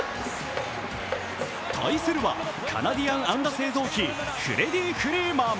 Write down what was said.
対するはカナディアン安打製造機フレディ・フリーマン。